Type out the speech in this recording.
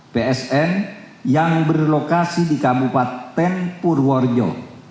psn yang berlokasi di kabupaten purworejo